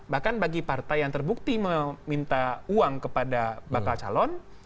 bahkan bagi partai yang terbukti meminta uang kepada bakal calon